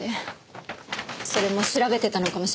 それも調べてたのかもしれません。